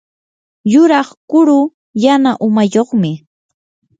yuraq kuru yana umayuqmi.